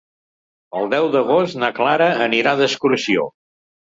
El deu d'agost na Clara anirà d'excursió.